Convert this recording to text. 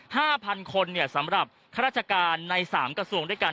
ห้าพันคนเนี่ยสำหรับข้าราชการในสามกระทรวงด้วยกัน